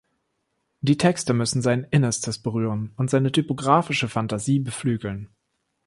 Die Texte müssen sein Innerstes berühren und seine typografische Fantasie beflügeln.